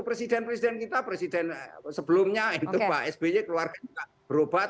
presiden presiden kita presiden sebelumnya itu pak sby keluarga kita berobat